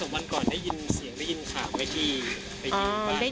๒วันก่อนได้ยินเสียงได้ยินข่าวไว้ที่บ้าน